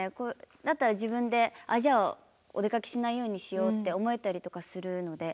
だったら自分でじゃあお出かけしないようにしようって思えたりとかするので。